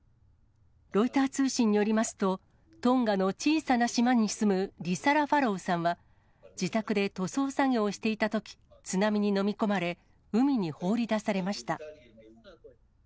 ロイター通信によりますと、トンガの小さな島に住む、リサラ・ファロウさんは、自宅で塗装作業をしていたとき、津波に飲み込まれ、海に放り出されました。